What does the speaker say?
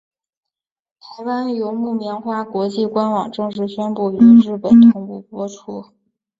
台湾由木棉花国际官网正式宣布与日本同步播出。